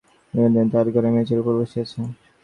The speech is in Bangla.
বিনোদিনী তাহার ঘরে মেঝের উপর বসিয়া।